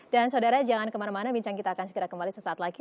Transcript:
dan saudara jangan kemana mana bincang kita akan segera kembali sesaat lagi